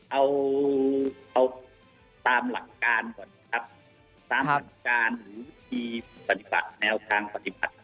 เอาตามหลักการก่อนนะครับัฐอพรุษการหรือวิธีสภัยแนวทางปฏิบัติแ